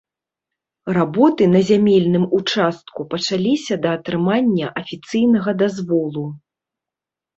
Работы на зямельным участку пачаліся да атрымання афіцыйнага дазволу.